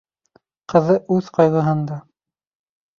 Ҡыҙы үҙ ҡайғыһында.